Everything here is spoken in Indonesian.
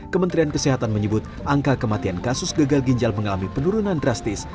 kementerian kesehatan menyebut angka kematian kasus gagal ginjal mengalami penurunan drastis